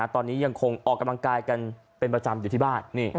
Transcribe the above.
ตอนนี้ยังคงออกกำลังกายกันเป็นประจำอยู่ที่บ้าน